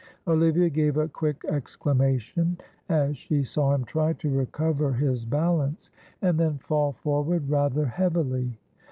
Olivia gave a quick exclamation as she saw him try to recover his balance, and then fall forward rather heavily.